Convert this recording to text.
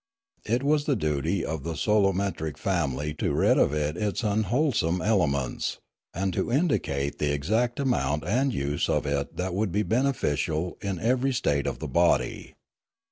It was the duty of the solometric family to rid it of its unwholesome elements, and to indicate the exact amount and use of it that would be beneficial in every state of the body.